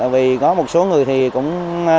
vì có một số người thì cũng